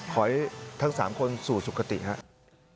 ขอให้ทั้ง๓คนสู่สุขติครับ